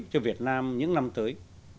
cho việt nam những năm tới